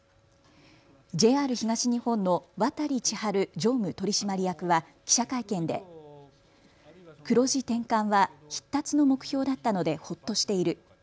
ＪＲ東日本の渡利千春常務取締役は記者会見で黒字転換は必達の目標だったのでほっとしている。